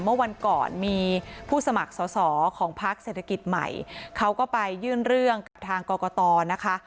เมื่อวันก่อนมีผู้สมัครสอสอของพักเศรษฐกิจใหม่เขาก็ไปยื่นเรื่องกับทางกรกตนะคะ